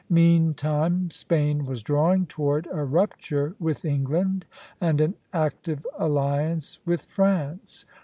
Meantime Spain was drawing toward a rupture with England and an active alliance with France.